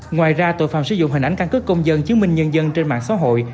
ngoài ra tội phạm sử dụng hình ảnh căn cứ công dân chứng minh nhân dân trên mạng xã hội